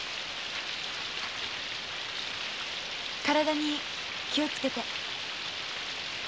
体に気をつけて。